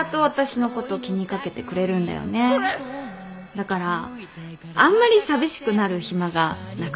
だからあんまり寂しくなる暇がなくて。